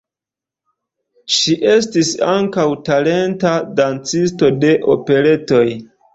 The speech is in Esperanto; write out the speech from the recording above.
Ŝi estis ankaŭ talenta dancisto de operetoj.